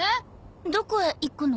どこへ行くの？